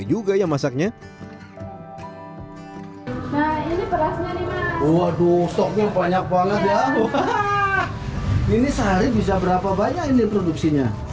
ini sehari bisa berapa banyak ini produksinya